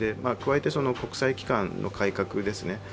加えて国際機関の改革ですね。